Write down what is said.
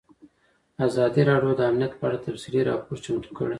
ازادي راډیو د امنیت په اړه تفصیلي راپور چمتو کړی.